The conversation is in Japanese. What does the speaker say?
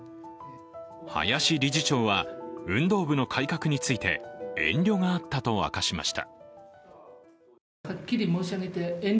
林理事長は運動部の改革について遠慮があったと明かしました。